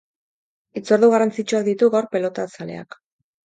Hitzordu garrantzitsuak ditu gaur pelotazaleak.